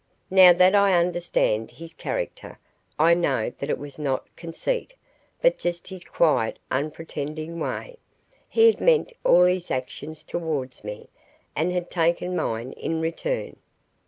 Now that I understand his character I know that it was not conceit, but just his quiet unpretending way. He had meant all his actions towards me, and had taken mine in return.